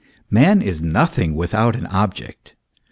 Man is nothing without an object.